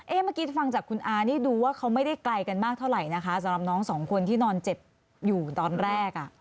เมื่อกี้ฟังจากคุณอานี่ดูว่าเขาไม่ได้ไกลกันมากเท่าไหร่นะคะสำหรับน้องสองคนที่นอนเจ็บอยู่ตอนแรกอ่ะ